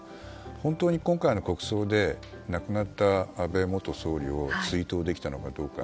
本当に今回の国葬で亡くなった安倍元総理を追悼できたのかどうか。